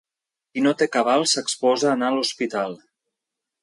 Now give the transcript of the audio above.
Qui no té cabal s'exposa a anar a l'hospital.